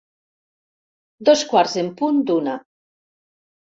Dos quarts en punt d'una.